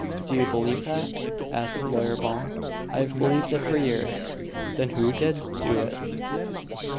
"Do you believe that?" asked Lawyer Ball. "I have believed it for years." "Then who did do it?"